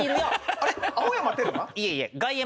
いえいえ。